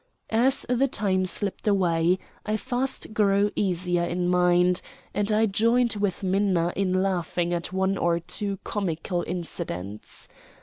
As the time slipped away I fast grew easier in mind, and I joined with Minna in laughing at one or two comical incidents.